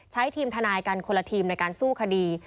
ทีมทนายกันคนละทีมในการสู้คดี